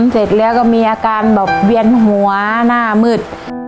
เสร็จแล้วก็มีอาการแบบเวียนหัวหน้ามืด